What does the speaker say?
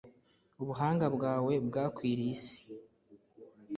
Ubuhanga bwawe bwakwiriye isi,